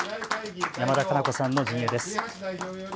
山田加奈子さんの陣営です。